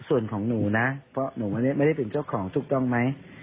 ส่วนของหนูนะเพราะหนูไม่ได้เป็นเจ้าของถูกต้องไหม